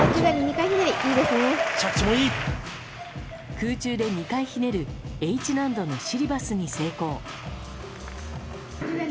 空中で２回ひねるＨ難度のシリバスに成功。